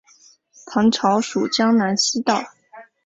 唐朝属江南西道。